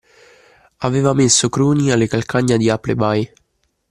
Aveva messo Cruni alle calcagna di Appleby!